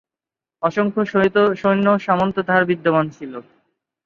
অসংখ্য সৈন্য সামন্ত তাঁহার বিদ্যমান ছিল।